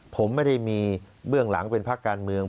ผมไม่ได้มีเบื้องหลังเป็นภาคการเมือง